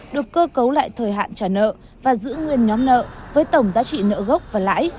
được cơ cấu lại thời hạn trả nợ và giữ nguyên nhóm nợ với tổng giá trị nợ gốc và lãi